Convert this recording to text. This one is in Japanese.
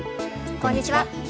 こんにちは。